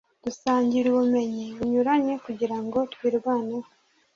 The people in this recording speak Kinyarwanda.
dusangira ubumenyi bunyuranye kugirango twirwaneho